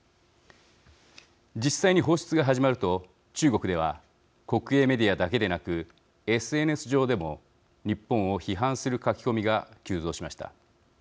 実際に放出が始まると中国では国営メディアだけでなくＳＮＳ上でも日本を批判する書き込みが急増しました。